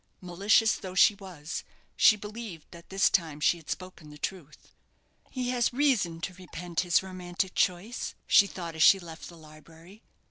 Malicious though she was, she believed that this time she had spoken the truth. "He has reason to repent his romantic choice," she thought as she left the library.